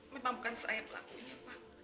memang bukan saya pelakunya pak